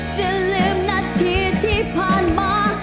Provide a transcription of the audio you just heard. จะลืมนาทีที่ผ่านมา